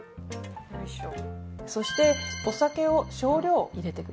そしてお酒を少量入れてください。